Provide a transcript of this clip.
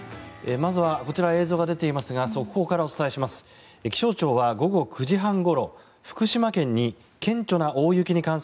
まずはこちら映像が出ていますが速報からお伝えします。